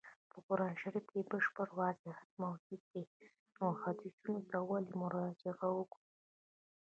په قرآن شریف کي بشپړ وضاحت موجود دی نو احادیثو ته ولي مراجعه وکړو.